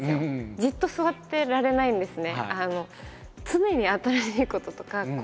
じっと座ってられないんですね。